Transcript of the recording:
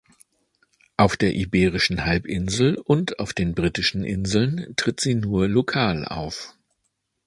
Auf der Iberischen Halbinsel und auf den Britischen Inseln tritt sie nur lokal auf.